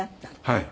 はい。